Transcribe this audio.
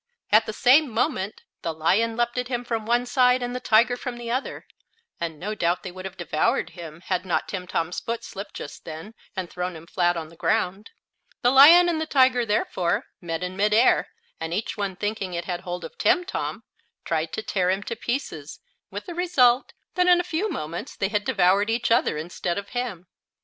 At the same moment the lion leaped at him from one side and the tiger from the other, and no doubt they would have devoured him had not Timtom's foot slipped just then and thrown him flat on the ground. The lion and the tiger therefore met in mid air, and each one thinking it had hold of Timtom, tried to tear him to pieces, with the result that in a few moments they had devoured each other instead of him.